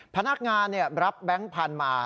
พนักงานรับแบงค์พันธุ์มา